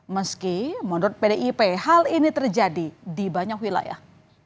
meski menurut pdip hal ini terjadi di banyak wilayah